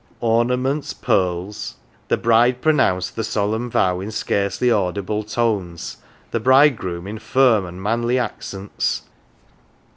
" Ornaments, pearls The bride pronounced the solemn vow in scarcely audible tones, the bridegroom in firm and manly accents."